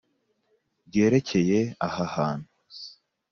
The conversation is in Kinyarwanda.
Ryerekeye aha hantu.